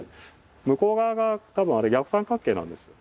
向こう側が多分あれ逆三角形なんです。